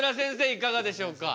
いかがでしょうか？